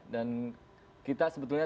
dan kita sebetulnya